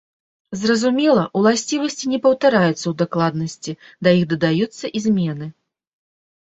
Зразумела, уласцівасці не паўтараюцца ў дакладнасці, да іх дадаюцца і змены.